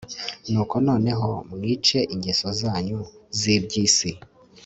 nuko noneho mwice ingeso zanyu z'iby'isi